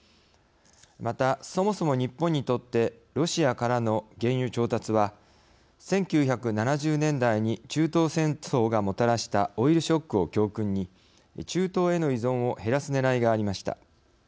またそもそも日本にとってロシアからの原油調達は１９７０年代に中東戦争がもたらしたオイルショックを教訓に中東への依存を減らす狙いがありました。